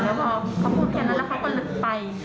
แล้วพอเขาพูดแค่นั้นแล้วเขาก็เลยไป